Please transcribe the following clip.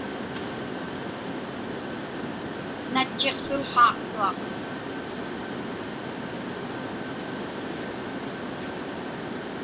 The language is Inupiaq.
Natchiqsułhaaqtuaq.